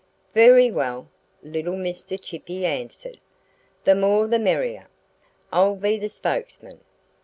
"Very well!" little Mr. Chippy answered. "The more the merrier! I'll be the spokesman.